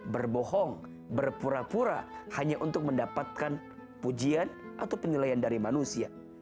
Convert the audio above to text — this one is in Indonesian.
berbohong berpura pura hanya untuk mendapatkan pujian atau penilaian dari manusia